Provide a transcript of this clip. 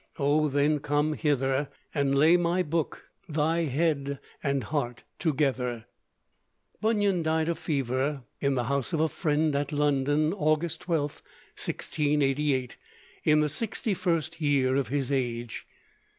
O then come hither! And lay my book, thy head, and heart together." Bunyan died of fever, in the house of a friend, at London, August 12th, 1688, in the sixty first year of his age.